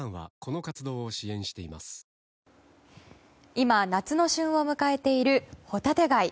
今、夏の旬を迎えているホタテ貝。